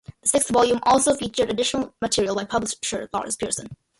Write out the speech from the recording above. The sixth volume also featured additional material by publisher Lars Pearson.